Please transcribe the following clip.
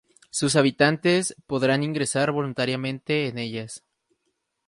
Sus habitantes podrán ingresar voluntariamente en ellas.